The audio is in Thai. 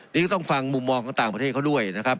นี่ก็ต้องฟังมุมมองของต่างประเทศเขาด้วยนะครับ